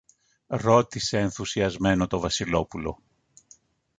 ρώτησε ενθουσιασμένο το Βασιλόπουλο.